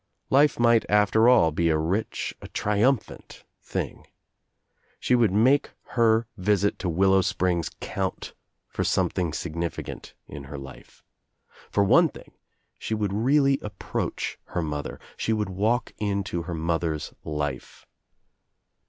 Life might after all be a rich, a trium phant thing. She would make her visit to Willow Springs count for something significant in her life. For one thing she would really approach her mother, she would walk into her mother's life.